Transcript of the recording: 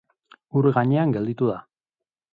Ur gainean gelditu da.